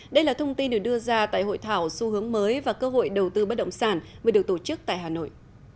đây là thông tin được đưa ra tại hội thảo xu hướng mới và cơ hội đầu tư bất động sản mới được tổ chức tại hà nội